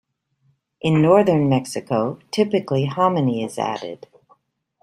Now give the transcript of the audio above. In northern Mexico, typically hominy is added.